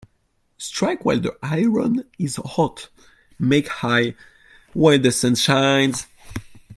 Strike while the iron is hot Make hay while the sun shines.